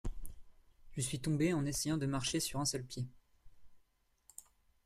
Je suis tombé en essayant de marcher sur un seul pied.